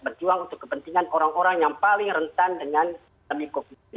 berjuang untuk kepentingan orang orang yang paling rentan dengan pandemi covid sembilan belas